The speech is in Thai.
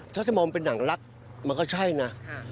ถ้าจะมองเป็นอย่างรักมันก็ใช่นะ